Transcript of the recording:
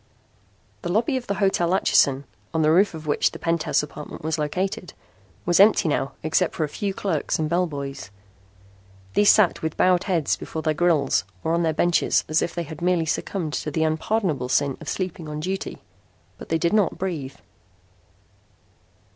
The lobby of the Hotel Atchison, on the roof of which the penthouse apartment was located, was empty now except for a few clerks and bellboys. These sat with bowed heads before their grills or on their benches as if they had merely succumbed to the unpardonable sin of sleeping on duty. But they did not breathe.